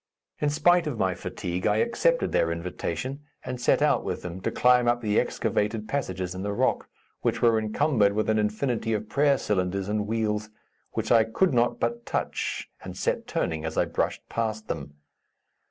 In spite of my fatigue I accepted their invitation and set out with them, to climb up the excavated passages in the rock, which were encumbered with an infinity of prayer cylinders and wheels, which I could not but touch and set turning as I brushed past them.